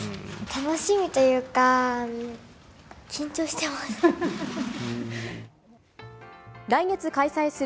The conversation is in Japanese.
楽しみというか、緊張してます。